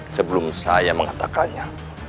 sebelum saya mengatakannya